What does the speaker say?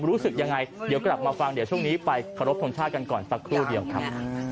รู้สึกยังไงเดี๋ยวกลับมาฟังเดี๋ยวช่วงนี้ไปเคารพทงชาติกันก่อนสักครู่เดียวครับ